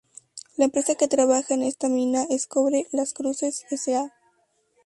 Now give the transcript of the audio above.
La empresa que trabaja en esta mina es Cobre Las Cruces S. A..